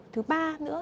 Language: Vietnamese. thứ ba nữa